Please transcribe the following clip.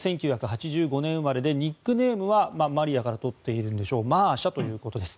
１９８５年生まれでニックネームはマリヤから取っているんでしょうマーシャということです。